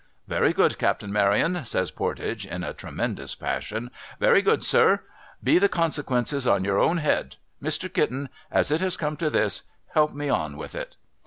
' Very good. Captain Maryon,' says Pordage, in a tremendous passion. ' Very good, sir. Be the consequences on your own head ! Mr. Kitten, as it has come to this, help me on with it.'